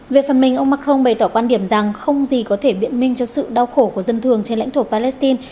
về phần mình ông macron bày tỏ quan điểm rằng không gì có thể biện minh cho sự đau khổ của dân thường trên lãnh thổ palestine